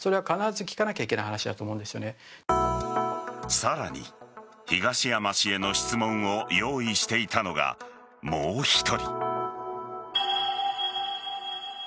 さらに、東山氏への質問を用意していたのがもう１人。